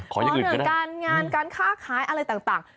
ขออย่างอื่นก็ได้ขอเหนือการงานการค่าค้ายอะไรต่าง